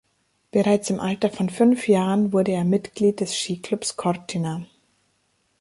Bereits im Alter von fünf Jahren wurde er Mitglied des Ski-Clubs Cortina.